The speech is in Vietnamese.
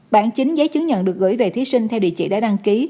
bản chính giấy chứng nhận được gửi về thí sinh theo địa chỉ đã đăng ký